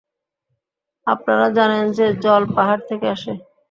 আপনারা জানেন যে, জল পাহাড় থেকে আসে।